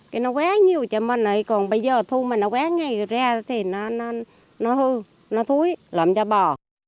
cái nó quá nhiều cho mình ấy còn bây giờ thu mà nó quá ngay ra thì nó hư nó thúi làm cho bò